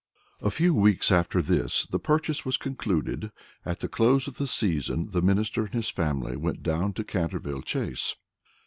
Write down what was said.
A few weeks after this, the purchase was concluded, and at the close of the season the Minister and his family went down to Canterville Chase.